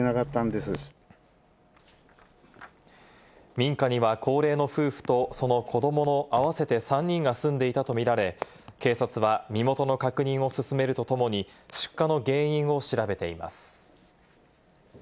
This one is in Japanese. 民家には高齢の夫婦とその子どもの合わせて３人が住んでいたとみられ、警察は身元の確認を進めるとともに出火の原因を調べています。